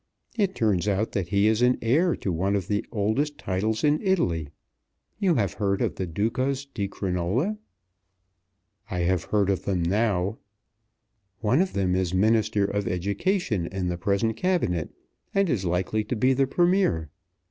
"It turns out that he is heir to one of the oldest titles in Italy. You have heard of the Ducas di Crinola?" "I have heard of them now." "One of them is Minister of Education in the present Cabinet, and is likely to be the Premier.